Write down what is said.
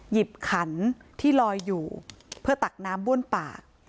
ขันที่ลอยอยู่เพื่อตักน้ำบ้วนปาก